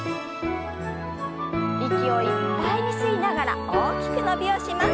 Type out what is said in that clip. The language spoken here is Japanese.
息をいっぱいに吸いながら大きく伸びをします。